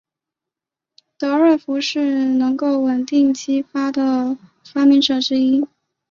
德瑞福是能够稳定激光的的发明者之一。